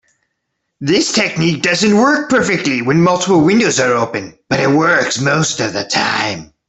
This technique doesn't work perfectly when multiple windows are open, but it works most of the time.